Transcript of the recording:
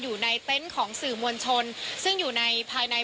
อยู่ในเต็มของสื่อมวลชนซึ่งอยู่ในภายใน